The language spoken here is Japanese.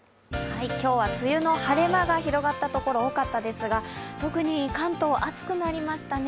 今日は梅雨の晴れ間が広がったところ、多かったですが特に関東、暑くなりましたね。